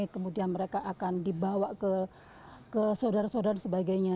kemudian mereka akan dibawa ke saudara saudara sebagainya